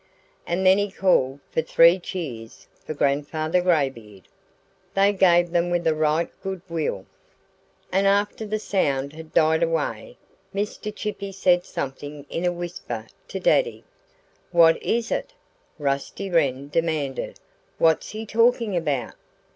And then he called for "three cheers for Grandfather Graybeard!" They gave them with a right good will. And after the sound had died away Mr. Chippy said something in a whisper to Daddy. "What is it?" Rusty Wren demanded. "What's he talking about?"